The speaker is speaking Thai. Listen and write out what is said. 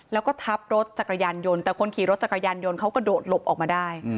แล้วก็ทับรถจักรยานยนต์แต่คนขี่รถจักรยานยนต์เขากระโดดหลบออกมาได้